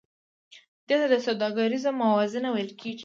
دې ته سوداګریزه موازنه ویل کېږي